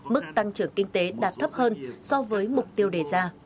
mức tăng trưởng kinh tế đạt thấp hơn so với mục tiêu đề ra